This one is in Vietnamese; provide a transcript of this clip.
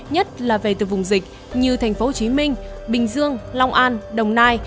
nhất là về từ vùng dịch như thành phố hồ chí minh bình dương long an đồng nai